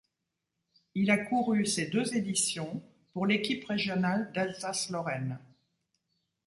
Il a couru ces deux éditions pour l'équipe régionale d'Alsace-Lorraine.